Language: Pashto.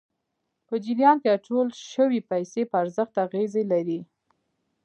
په جریان کې اچول شويې پیسې په ارزښت اغېز لري.